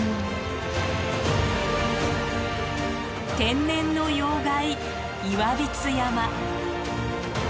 天然の要害岩櫃山。